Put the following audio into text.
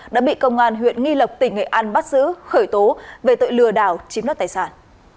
đã bị công an huyện nghi lộc tỉnh nghệ an bắt giữ khởi tố về tội lừa đảo chiếm đất tài sản